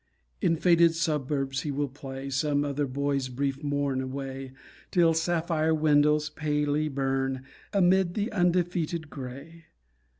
In faded suburbs he will play. Some other boy's brief morn away, Till sapphire windows palely burn Amid the undefeated gray.